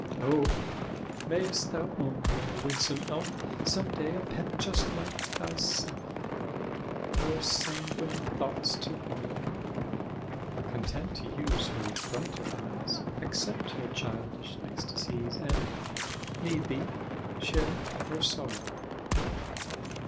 O, mayst thou own, my winsome elf, Some day a pet just like thyself, Her sanguine thoughts to borrow; Content to use her brighter eyes, Accept her childish ecstacies, And, need be, share her sorrow!